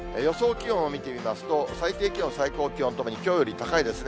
気温を見てみますと、最低気温、最高気温ともにきょうより高いですね。